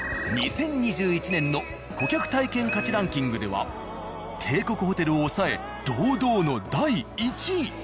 ２０２１年の顧客体験価値ランキングでは「帝国ホテル」を抑え堂々の第１位。